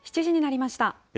７時になりました。